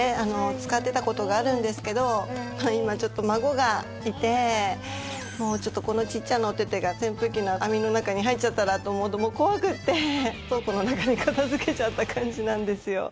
使ってた事があるんですけど今ちょっと孫がいてちょっとこのちっちゃなお手々が扇風機の網の中に入っちゃったらと思うともう怖くて倉庫の中に片付けちゃった感じなんですよ。